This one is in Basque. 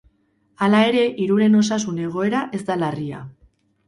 Hala ere, hiruren osasun egoera ez da larria.